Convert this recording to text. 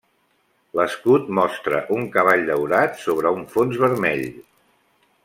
L'escut mostra un cavall daurat sobre un fons vermell.